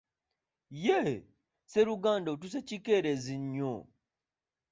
Yee, sseruganda otuuse kikerezi nnyo.